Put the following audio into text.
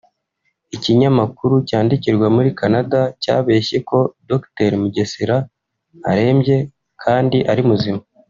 Ikinyamakuru cyandikirwa muri Canada cyabeshye ko Dr Mugesera arembye kandi ari muzima